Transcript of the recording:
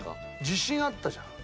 地震あったじゃん。